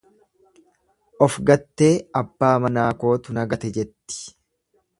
Of gattee abbaa manaa kootu na gate jetti.